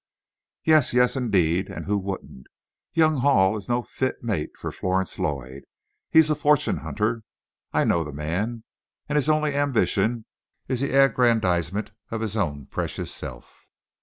"Yes; yes, indeed. And who wouldn't? Young Hall is no fit mate for Florence Lloyd. He's a fortune hunter. I know the man, and his only ambition is the aggrandizement of his own precious self."